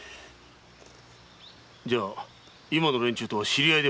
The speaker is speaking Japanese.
じゃあ今の連中とは知り合いではないのか？